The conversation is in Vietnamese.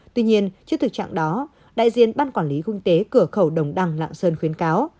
tuy nhiên trước thực trạng đó đại diện ban quản lý kinh tế cửa khẩu đồng đăng lạng sơn khuyến cáo